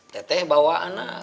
teh teh bawa anak